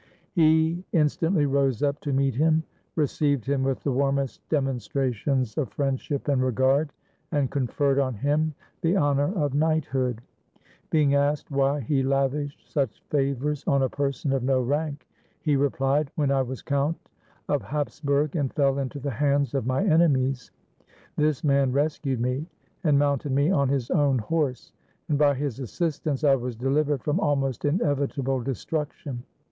He instantly rose up to meet him, received him with the warmest demonstrations of friendship and regard, and conferred on him the honor of knighthood. Being asked why he lavished such favors on a person of no rank, he replied, "When I was Count of Hapsburg, and fell into the hands of my enemies, this man rescued me, and mounted me on his own horse; and by his as sistance I was delivered from almost inevitable de struction.